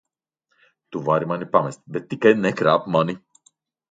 Tu vari mani pamest, bet tikai nekrāp mani!